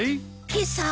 今朝。